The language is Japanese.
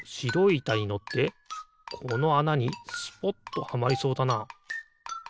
いたにのってこのあなにスポッとはまりそうだな。